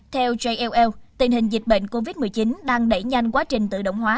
theo jll tình hình dịch bệnh covid một mươi chín đang đẩy nhanh quá trình tự động hóa